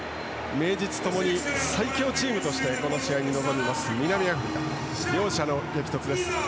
名実ともに最強チームとしてこの試合に臨みます、南アフリカ。両者の激突です。